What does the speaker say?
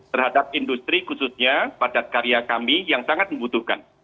terhadap industri khususnya padat karya kami yang sangat membutuhkan